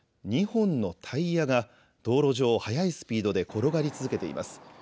２本のタイヤが道路上を速いスピードで転がり続けています。